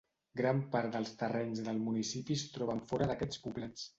Gran part dels terrenys del municipi es troben fora d'aquests poblets.